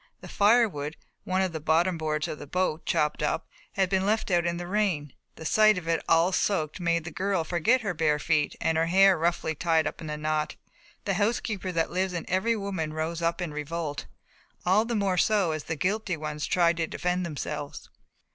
The firewood, one of the bottom boards of the boat chopped up, had been left out in the rain. The sight of it, all soaked, made the girl forget her bare feet and her hair roughly tied up in a knot. The housekeeper that lives in every woman rose up in revolt, all the more so as the guilty ones tried to defend themselves.